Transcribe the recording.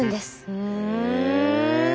へえ。